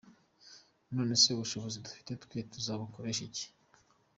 None se ubushobozi dufite twe tuzabukoresha iki?”.